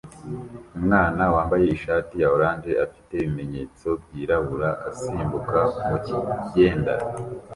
Umwana wambaye ishati ya orange afite ibimenyetso byirabura asimbuka mukigenda